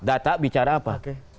data bicara apa